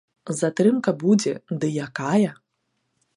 Затрымка будзе, ды якая.